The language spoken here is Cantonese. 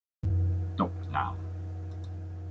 毒男